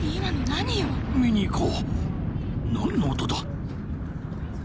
何の音だ？